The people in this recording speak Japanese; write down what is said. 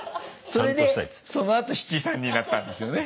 それでそのあと七三になったんですよね。